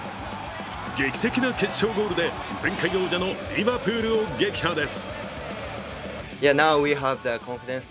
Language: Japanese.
劇的な決勝ゴールで前回王者のリヴァプールを撃破です。